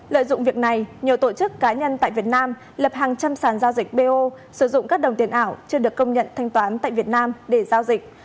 lợi dụng việc này nhiều tổ chức cá nhân tại việt nam lập hàng trăm sản giao dịch bo sử dụng các đồng tiền ảo chưa được công nhận thanh toán tại việt nam để giao dịch